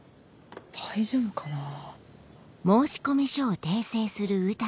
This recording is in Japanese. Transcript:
大丈夫かなぁ。